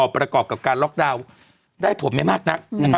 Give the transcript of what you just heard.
ประกอบกับการล็อกดาวน์ได้ผลไม่มากนัก